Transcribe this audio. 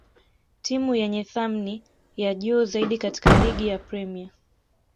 timu yenye thamni ya juu zaidi katika ligi ya Premia